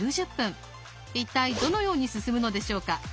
一体どのように進むのでしょうか？